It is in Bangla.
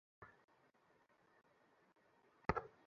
তোর বকতে হবে না, তুই যা বলছি, ঐ জানলাটা খুলে দিয়ে যা।